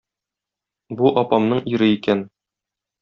Бу - апамның ире икән.